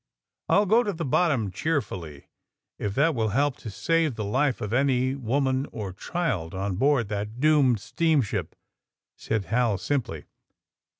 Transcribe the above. *'I'll go to the bottom cheerfully, if that will help to save the life of any woman or child on board that doomed steamship, '' said Hal simply.